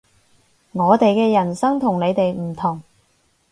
我哋嘅人生同你哋唔同